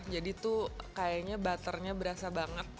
tuh kayaknya butternya berasa banget